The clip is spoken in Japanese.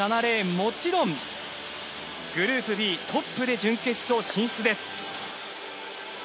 もちろんグループＢトップで準決勝進出です。